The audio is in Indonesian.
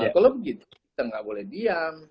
kalau begitu kita nggak boleh diam